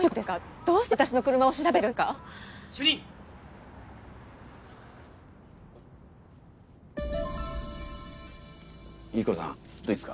どうして私の車を調べてるんですか？